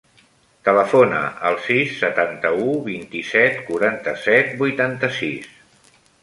Telefona al sis, setanta-u, vint-i-set, quaranta-set, vuitanta-sis.